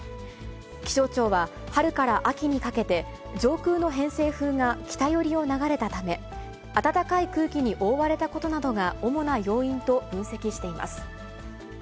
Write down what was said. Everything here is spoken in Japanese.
気象庁は、春から秋にかけて、上空の偏西風が北寄りを流れたため、暖かい空気に覆われたことなどが主な要因と分析しています。